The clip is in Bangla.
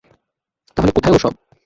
তাহলে কোথায় ওসব?